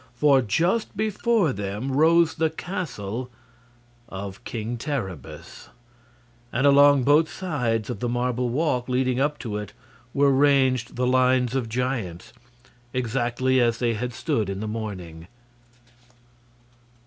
For just before them rose the castle of King Terribus, and along both sides of the marble walk leading up to it were ranged the lines of giants, exactly as they had stood in the morning.